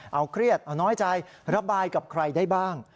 เอาเครียดเอาน้อยใจระบายกับใครได้บ้าง